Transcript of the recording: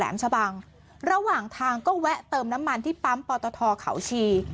ชะบังระหว่างทางก็แวะเติมน้ำมันที่ปั๊มปอตทเขาชี